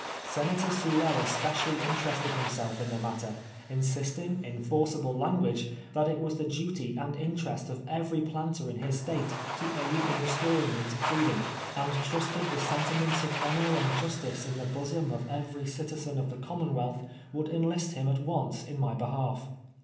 Senator Soule especially interested himself in the matter, insisting, in forcible language, that it was the duty and interest of every planter in his State to aid in restoring me to freedom, and trusted the sentiments of honor and justice in the bosom of every citizen of the commonwealtli would enlist him at once in my behalf.